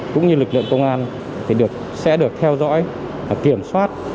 cũng như lực lượng công an sẽ được theo dõi kiểm soát